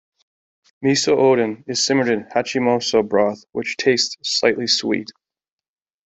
Miso oden is simmered in Hatchomiso broth, which tastes lightly sweet.